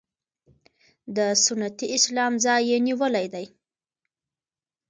د سنتي اسلام ځای یې نیولی دی.